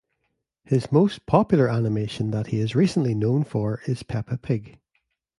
His most popular animation that he is recently known for is Peppa Pig.